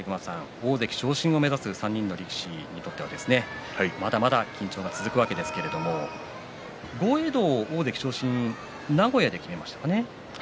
大関昇進を目指す３人の力士にとってはまだまだ緊張が続くわけですが豪栄道、大関昇進は名古屋で決めましたね。